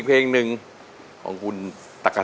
อินโทรยกที่สองของคุณซิมมาเลยครับ